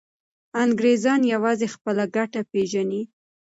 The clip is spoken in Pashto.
انګریزان یوازې خپله ګټه پیژني.